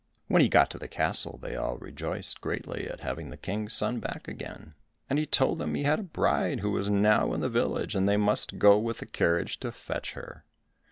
When he got to the castle they all rejoiced greatly at having the King's son back again, and he told them he had a bride who was now in the village, and they must go with the carriage to fetch her.